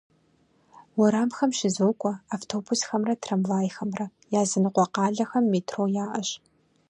Уэрамхэм щызокӏуэ автобусхэмрэ трамвайхэмрэ, языныкъуэ къалэхэм метро яӏэщ.